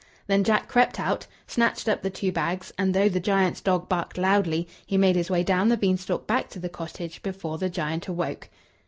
Then Jack crept out, snatched up the two bags, and though the giant's dog barked loudly, he made his way down the beanstalk back to the cottage before the giant awoke.